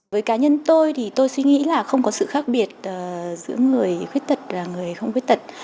với cá nhân tôi thì tôi suy nghĩ là không có sự khác biệt giữa người khuyết tật là người không khuyết tật